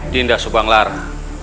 dinda subang lara